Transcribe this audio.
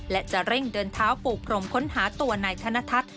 และจะเร่งเดินเท้าปูพรมค้นหาตัวนายธนทัศน์